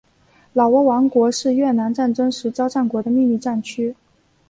老挝王国是越南战争时交战国的秘密战区。